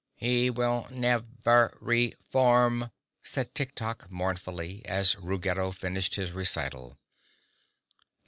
"He will nev er re form," said Tik Tok mournfully, as Ruggedo finished his recital.